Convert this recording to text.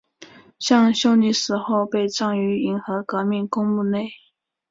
向秀丽死后被葬于银河革命公墓内。